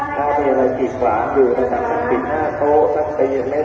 บางคนช่วยเห่าใจภาพจากภาพแดงครับ